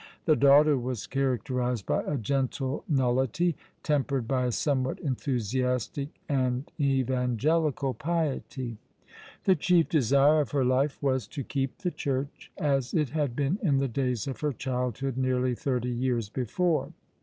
The daughter was characterized by a gentle nullity, tempered by a somewhat enthusiastic and evangelical piety. The chief desire of her life was tc keep the Church as it had been in the days of her childhood, nearly thirty years before.